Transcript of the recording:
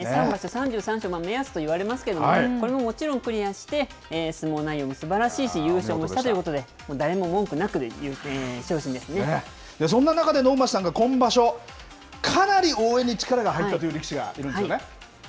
３場所３３勝が目安といわれますけれどもね、これももちろんクリアして、相撲内容もすばらしいし、優勝もしたということで、そんな中で、能町さんが今場所、かなり応援に力が入ったという力士がいるんですよね。